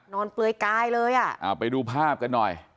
เปลือยกายเลยอ่ะอ่าไปดูภาพกันหน่อย